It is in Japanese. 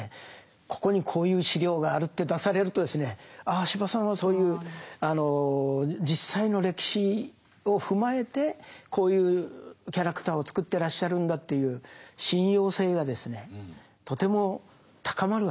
ここにこういう資料があるって出されるとですねああ司馬さんはそういう実際の歴史を踏まえてこういうキャラクターを作ってらっしゃるんだという信用性がですねとても高まるわけです。